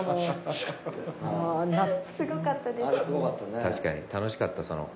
すごかったです。